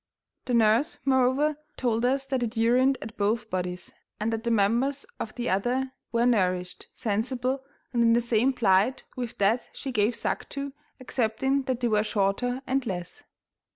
The nurse, moreover, told us that it urined at both bodies, and that the members of the other were nourished, sensible, and in the same plight with that she gave suck to, excepting that they were shorter and less.